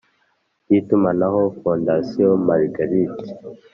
Ry itumanaho fondation margrit